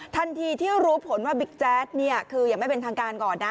ทันทีที่รู้ผลว่าบิ๊กแจ๊ดเนี่ยคืออย่างไม่เป็นทางการก่อนนะ